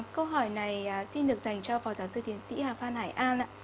câu hỏi này xin được dành cho phó giáo sư tiến sĩ hà phan hải an